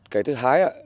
cái thứ hai